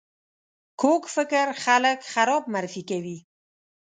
کوږ فکر خلک خراب معرفي کوي